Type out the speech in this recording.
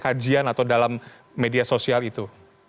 kajian atau dalam media sosial itu